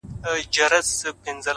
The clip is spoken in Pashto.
په يوه جـادو دي زمـــوږ زړونه خپل كړي!!